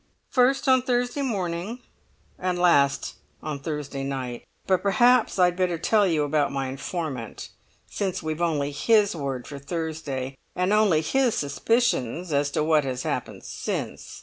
"First on Thursday morning, and last on Thursday night. But perhaps I'd better tell you about my informant, since we've only his word for Thursday, and only his suspicions as to what has happened since.